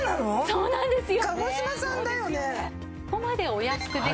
そうなんですよ。